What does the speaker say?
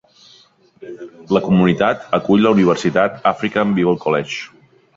La comunitat acull la universitat African Bible College.